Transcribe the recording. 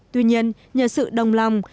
tuy nhiên nhờ sự đồng lòng